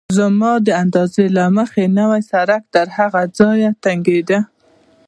زما د اندازې له مخې نوی سړک تر هغه ځایه چې تنګېده.